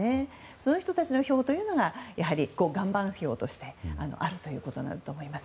その人たちの票というのが岩盤票としてあるんだと思います。